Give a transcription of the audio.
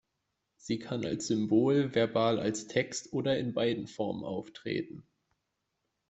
Sie kann als Symbol, verbal als Text oder in beiden Formen auftreten.